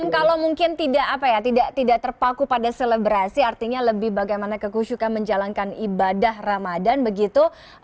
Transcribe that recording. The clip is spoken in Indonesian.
kalau mungkin tidak terpaku pada selebrasi artinya lebih bagaimana kekusukan menjalankan ibadah ramadan begitu